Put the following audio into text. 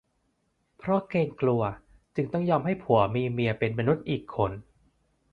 เพราะเกรงกลัวจึงต้องยอมให้ผัวมีเมียเป็นมนุษย์อีกคน